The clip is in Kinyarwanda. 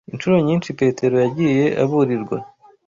Incuro nyinshi Petero yagiye aburirwa